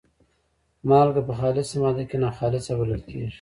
مالګه په خالصه ماده کې ناخالصه بلل کیږي.